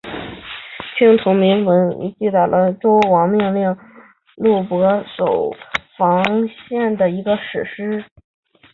青铜器铭文记录了西周时代的周王命令录伯戍守防范淮夷的史实。